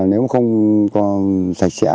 nếu không còn sạch sẽ